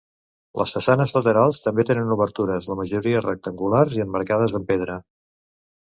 Les façanes laterals també tenen obertures, la majoria rectangulars i emmarcades en pedra.